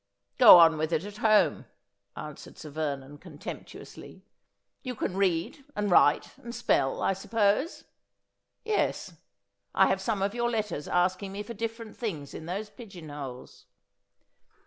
' Gro on with it at home,' answered Sir Vernon contemptu 124 Asphodel. ously. ' You can read, and write, and spell, I suppose. Yes ; I have some of your letters asking me for different things in those pigeon holes.